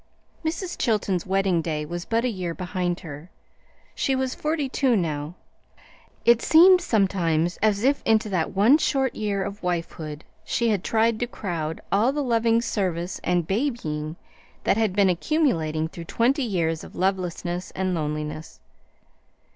Mrs. Chilton's wedding day was but a year behind her. She was forty two now. It seemed sometimes as if into that one short year of wifehood she had tried to crowd all the loving service and "babying" that had been accumulating through twenty years of lovelessness and loneliness.